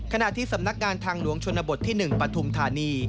ขณะที่สำนักงานทางหลวงชนบทที่๑ปฐุมธานี